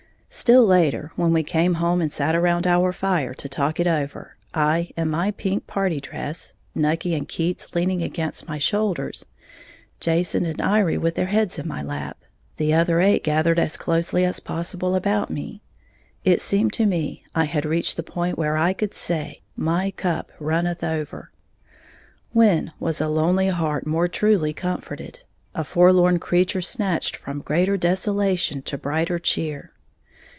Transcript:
Still later, when we came home and sat around our fire to talk it over, I in my pink party dress, Nucky and Keats leaning against my shoulders, Jason and Iry with their heads in my lap, the other eight gathered as closely as possible about me, it seemed to me I had reached the point where I could say "My cup runneth over". When was a lonely heart more truly comforted, a forlorn creature snatched from greater desolation to brighter cheer?